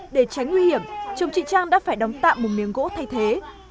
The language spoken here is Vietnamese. để tránh nguy hiểm chồng chị trang đã phải đóng tạm một miếng gỗ thay thế